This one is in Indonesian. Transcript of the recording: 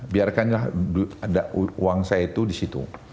biarkanlah ada uang saya itu di situ